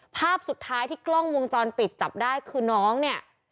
ภาพสุดท้ายที่กล้องวงจรปิดจับได้คือน้องเนี่ย